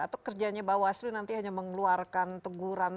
atau kerjanya bawaslu nanti hanya mengeluarkan teguran